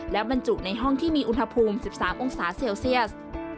และบรรจุในห้องที่มีอุณหภูมิ๑๓องศาเซลเซียส